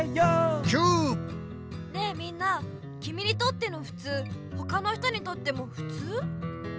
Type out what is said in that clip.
きみにとってのふつうほかの人にとってもふつう？